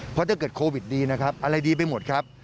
เพราะถ้าเกิดโควิดดีนะครับอะไรดีไปหมดครับ